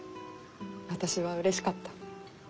私はうれしかった。